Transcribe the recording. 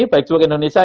baik juga indonesia